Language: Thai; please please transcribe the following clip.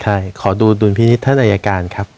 ใช่ขอดูดุลพินิษฐท่านอายการครับ